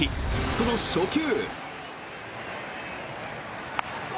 その初球。